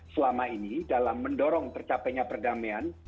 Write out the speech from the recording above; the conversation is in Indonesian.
selama ini dalam mendorong tercapainya perdamaian